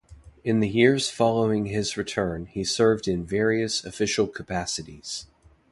In the years following his return he served in various official capacities.